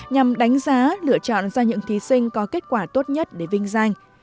nhằm đánh giá lựa chọn ra những thí sinh có kết quả tốt nhất để vinh danh